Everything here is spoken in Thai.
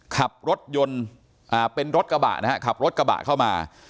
ขับรถยนต์เป็นรถกระบะนะฮะขับรถกระบะเข้ามา